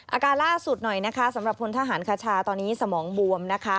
อาการล่าสุดหน่อยนะคะสำหรับพลทหารคชาตอนนี้สมองบวมนะคะ